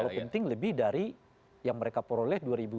kalau penting lebih dari yang mereka peroleh dua ribu dua puluh